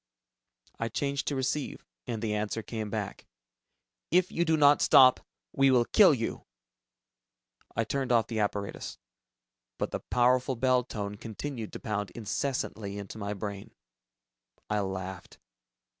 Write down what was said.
I changed to receive, and the answer came back, "If you do not stop ... we will kill you!" I turned off the apparatus, but the powerful bell tone continued to pound incessantly into my brain. I laughed.